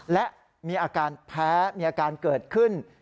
และมีอาการแพ้มีอาการเกิดขึ้น